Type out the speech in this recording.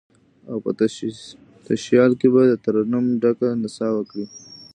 او په تشیال کې به، دترنم ډکه نڅا وکړي